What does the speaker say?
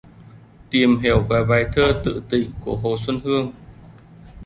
Tìm hiểu về bài thơ Tự Tình của Hồ Xuân Hương